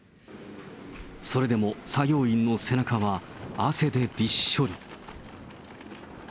それでも作業員の背中は汗でびっしょり。